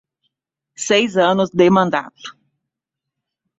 Seis anos de mandato